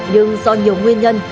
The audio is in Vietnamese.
nhưng do nhiều nguyên nhân